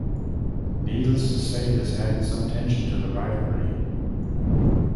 Needless to say, this added some tension to the rivalry.